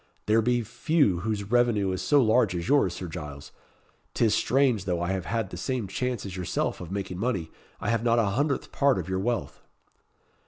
There be few whose revenue is so large as yours, Sir Giles. 'Tis strange, though I have had the same chance as yourself of making money, I have not a hundredth part of your wealth."